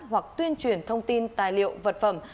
hoặc tuyên truyền thông tin tài liệu vật phẩm